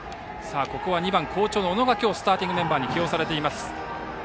ここは２番、好調の小野がスターティングメンバーに起用されています。